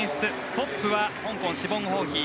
トップは香港のシボーン・ホーヒー。